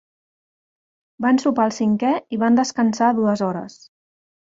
Van sopar al cinquè i van descansar dues hores.